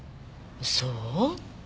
そう？